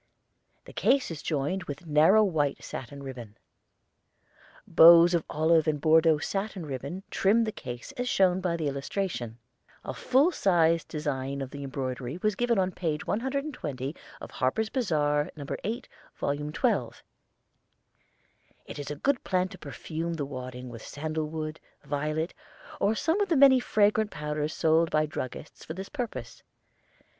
The case is joined with narrow white satin ribbon. Bows of olive and Bordeaux satin ribbon trim the case as shown by the illustration. A full sized design of the embroidery was given on page 120 of Harper's Bazar, No. 8, Vol. XII. It is a good plan to perfume the wadding with sandal wood, violet, or some of the many fragrant powders sold by druggists for this purpose.